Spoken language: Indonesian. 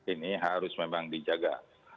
ini harus memang dijaga